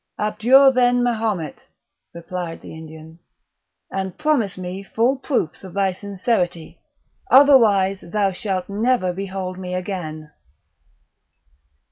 "Abjure, then, Mahomet," replied the Indian, "and promise me full proofs of thy sincerity, otherwise thou shalt never behold me again."